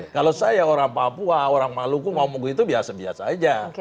kalau saya orang papua orang maluku ngomong begitu biasa biasa saja